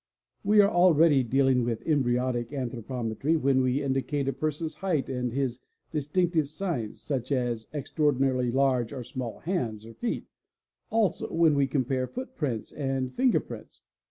We are already dealing with embryonic anthro 'pometry when we indicate a person's height and his distinctive signs (such as extraordinarily large or small hands or feet), also when we compare footprints and finger prints.